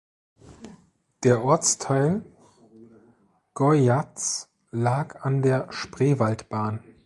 Der Ortsteil Goyatz lag an der Spreewaldbahn.